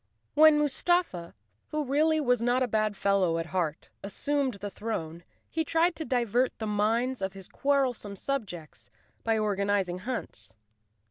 When Mustafa, who really was not a bad fellow at heart, assumed the throne he tried to divert the minds of his quarrelsome subjects by organizing hunts.